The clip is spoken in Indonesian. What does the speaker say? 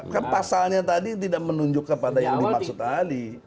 kan pasalnya tadi tidak menunjuk kepada yang dimaksud tadi